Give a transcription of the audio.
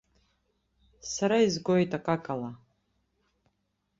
Сара изгоит акакала.